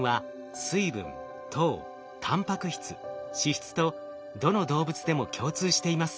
主な成分はどの動物でも共通しています。